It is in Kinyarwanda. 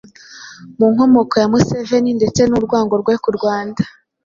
ku nkomoko ya Museveni ndetse n’urwango rwe ku Rwanda.